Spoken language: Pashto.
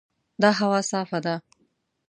دا هوا صافه ده.